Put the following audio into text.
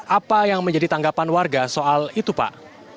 apa yang menjadi tanggapan warga soal itu pak